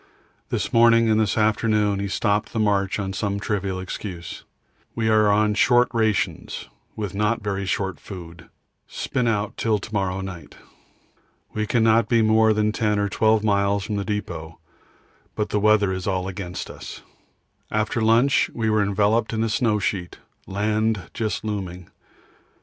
This morning and this afternoon he stopped the march on some trivial excuse. We are on short rations with not very short food; spin out till to morrow night. We cannot be more than 10 or 12 miles from the depot, but the weather is all against us. After lunch we were enveloped in a snow sheet, land just looming.